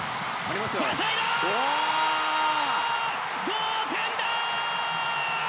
同点だ！